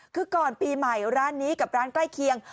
คือก่อนปีใหม่ร้านนี้กับร้านใกล้เคียง